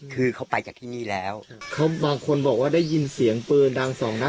คือเขาไปจากที่นี่แล้วบางคนบอกว่าได้ยินเสียงปืนดังสองนัด